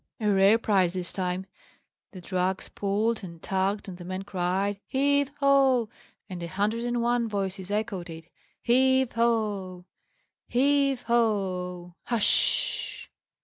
A rare prize, this time! The drags pulled and tugged, and the men cried, "Heave ho!" and a hundred and one voices echoed it: "Heave ho! heave ho!" Hush!